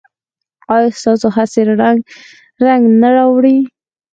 ایا ستاسو هڅې رنګ نه راوړي؟